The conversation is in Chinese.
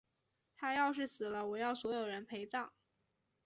她要是死了，我要所有人陪葬！